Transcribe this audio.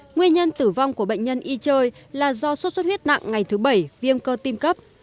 nguyên nhân tử vong của bệnh nhân y chơi là do sốt xuất huyết nặng ngày thứ bảy viêm cơ tim cấp